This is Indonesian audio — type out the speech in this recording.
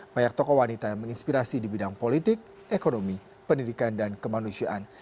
banyak tokoh wanita yang menginspirasi di bidang politik ekonomi pendidikan dan kemanusiaan